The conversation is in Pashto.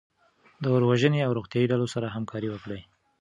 د اور وژنې او روغتیایي ډلو سره همکاري وکړئ.